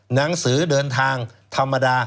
หนังสือเดินทางธรรมดา